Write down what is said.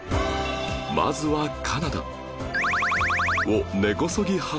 まずはカナダ